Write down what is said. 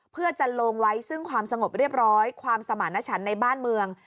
เพื่อจะลงไว้ซึ่งความสงบเรียบร้อยความสมารณชันในบ้านเมือง